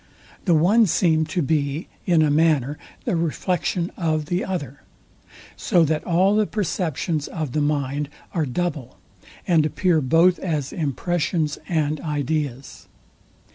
The one seem to be in a manner the reflexion of the other; so that all the perceptions of the mind are double, and appear both as impressions and ideas.